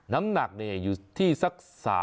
น้ำหนักอยู่ที่สัก